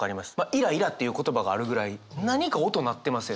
「イライラ」っていう言葉があるぐらい何か音鳴ってません？